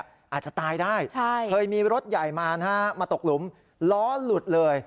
อาจจะตายได้เคยมีรถใหญ่มานะฮะมาตกหลุมล้อหลุดเลย